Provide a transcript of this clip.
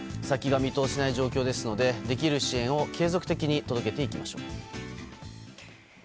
先が見通せない状況ですのでできる支援を継続的に届けていきましょう。